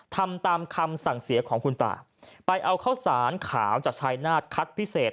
ทำตามคำสั่งเสียของคุณตาไปเอาข้าวสารขาวจากชายนาฏคัดพิเศษ